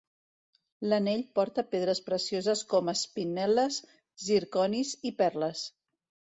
L'anell porta pedres precioses com espinel·les, zirconis i perles.